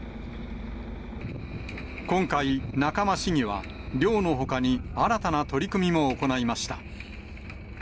今回、仲間市議は漁のほかに新たな取り組みも行いました。